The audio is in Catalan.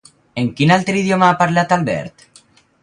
En quin altre idioma ha parlat Albert?